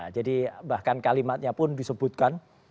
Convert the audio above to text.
jadi bahkan kalimatnya pun disebutkan